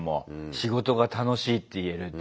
仕事が楽しいって言えるって。